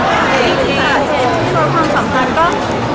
สิ่งหิดขาดที่ส่วนความสำคัญ